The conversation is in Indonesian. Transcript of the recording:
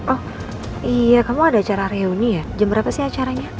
oh iya kamu ada acara reuni ya jam berapa sih acaranya